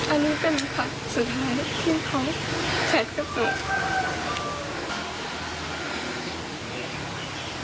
อันนี้เป็นพักสุดท้ายที่เขาใช้กระตู